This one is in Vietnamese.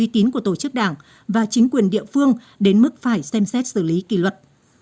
các đồng chí đảng và chính quyền địa phương đến mức phải xem xét xử lý kỷ luật